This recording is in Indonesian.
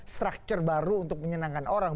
structure baru untuk menyenangkan orang